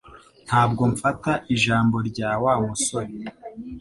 Ntabwo mfata ijambo rya Wa musore